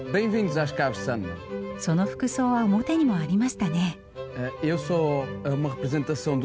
その服装は表にもありましたね。